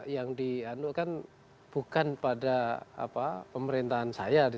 yang dianukan bukan pada pemerintahan saya